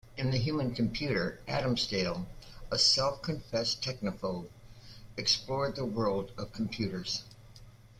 In "The Human Computer", Adamsdale, a self-confessed technophobe, explored the world of computers.